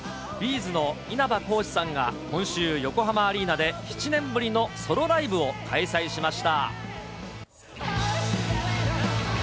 ’ｚの稲葉浩志さんが、今週、横浜アリーナで、７年ぶりのソロライブを開催しました。